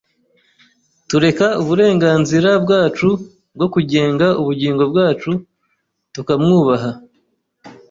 tureka uburenganzira bwacu bwo kugenga ubugingo bwacu; tukamwubaha.